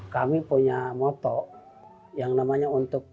kami punya moto yang namanya untuk